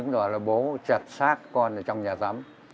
và là bố chặt xác con ở trong nhà tắm